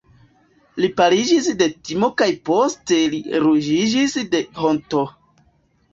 Li paliĝis de timo kaj poste li ruĝiĝis de honto.